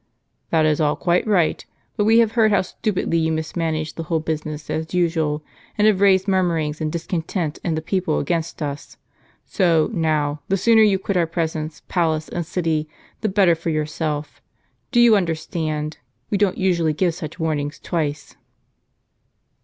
"That is all quite right; but we have heard how stupidly you mismanaged the whole business as usual, and have raised murmurings and discontent in the people against us. So, now, the sooner you quit our presence, palace, and city, the better for yourself. Do you understand ? We don't usually give such warnings twice."